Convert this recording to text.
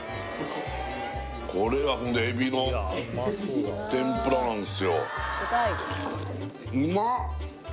これは海老の天ぷらなんですようまっ！